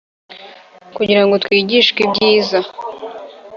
Kugira ngo twigishwe ibyiza